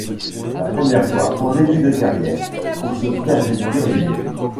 La première fois, en début de carrière, pour se faire réduire le nez.